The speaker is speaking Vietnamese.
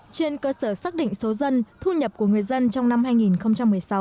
trên cơ sở xác định số dân thu nhập của người dân trong năm hai nghìn một mươi sáu